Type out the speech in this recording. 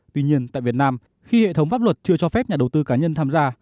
tuy nhiên tại việt nam khi hệ thống pháp luật chưa cho phép nhà đầu tư cá nhân tham gia